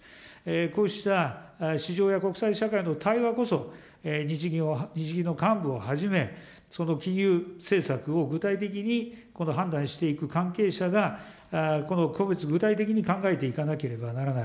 こうした市場や国際社会の対話こそ、日銀の幹部をはじめ、金融政策を具体的に判断していく関係者が、個別具体的に考えていかなければならない。